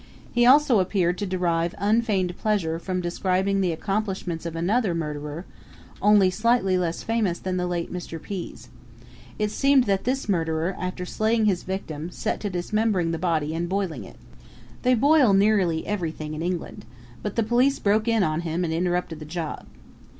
He also appeared to derive unfeigned pleasure from describing the accomplishments of another murderer, only slightly less famous than the late Mr. Pease. It seemed that this murderer, after slaying his victim, set to dismembering the body and boiling it. They boil nearly everything in England. But the police broke in on him and interrupted the job.